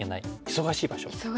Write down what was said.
忙しい場所。